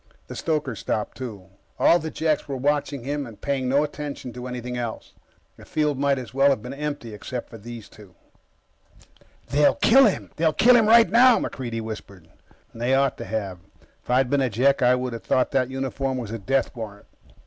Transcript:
The stoker stopped, too. All the Jeks were watching him and paying no attention to anything else. The field might as well have been empty except for those two. "They'll kill him. They'll kill him right now," MacReidie whispered. They ought to have. If I'd been a Jek, I would have thought that uniform was a death warrant.